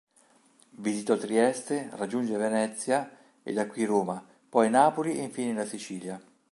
Visitò Trieste, raggiunse Venezia e da qui Roma, poi Napoli e infine la Sicilia.